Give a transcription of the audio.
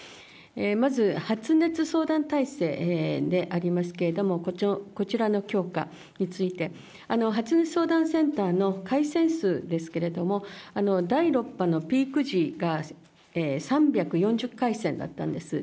まず発熱相談体制でありますけれども、こちらの強化について、発熱相談センターの回線数ですけれども、第６波のピーク時が３４０回線だったんです。